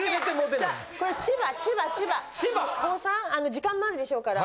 時間もあるでしょうから。